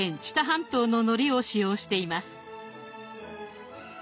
半島ののりを使用しています。